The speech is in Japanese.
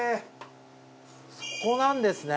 そこなんですね。